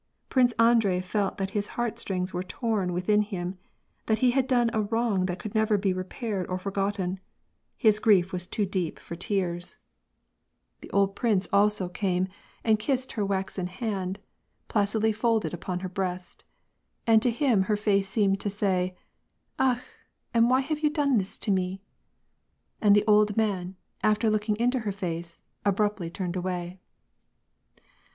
Prince Andrei felt that his heartstrings were torn within him, that he had done a wrong that could never be repaired or for gotten. His grief was too deep for tears. 42 yVAR AND PEACE. The old prince also came and kissed her waxen hand, pla cidly folded upon her breast., and to him her face seemed to say,— " Akh ! and why have you done this to me ?" And the old man, after looking into her face, abruptly turned away.